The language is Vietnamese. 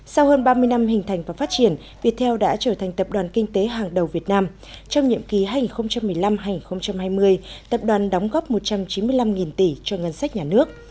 sau hơn ba mươi năm hình thành và phát triển viettel đã trở thành tập đoàn kinh tế hàng đầu việt nam trong nhiệm ký hai nghìn một mươi năm hai nghìn hai mươi tập đoàn đóng góp một trăm chín mươi năm tỷ cho ngân sách nhà nước